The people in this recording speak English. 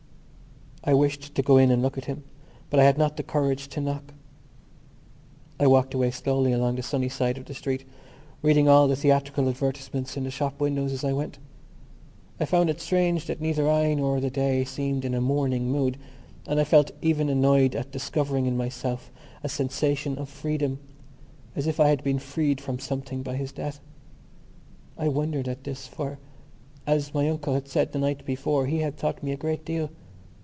I wished to go in and look at him but I had not the courage to knock. I walked away slowly along the sunny side of the street, reading all the theatrical advertisements in the shop windows as I went. I found it strange that neither I nor the day seemed in a mourning mood and I felt even annoyed at discovering in myself a sensation of freedom as if I had been freed from something by his death. I wondered at this for, as my uncle had said the night before, he had taught me a great deal.